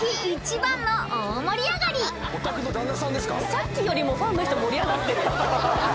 さっきよりもファンの人盛り上がってる。